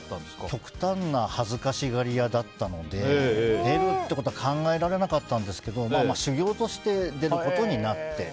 極端な恥ずかしがり屋だったので出るっていうことは考えられなかったんですけど修業として出ることになって。